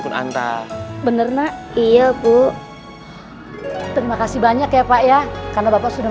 pun anta bener nak iya bu terima kasih banyak ya pak ya karena bapak sudah